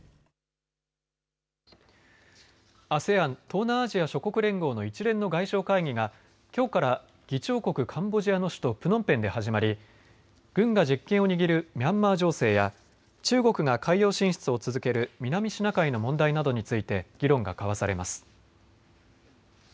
ＡＳＥＡＮ・東南アジア諸国連合の一連の外相会議がきょうから議長国カンボジアの首都プノンペンで始まり軍が実権を握るミャンマー情勢や中国が海洋進出を続ける南シナ海の問題などについて議論が交わされます。